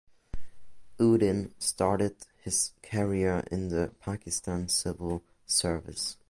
Uddin started his career in the Pakistan Civil Service.